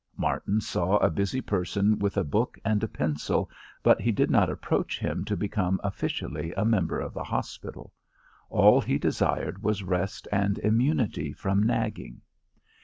Martin saw a busy person with a book and a pencil, but he did not approach him to become officially a member of the hospital. All he desired was rest and immunity from nagging.